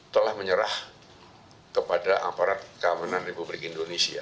telah menyerah kepada aparat keamanan di publik indonesia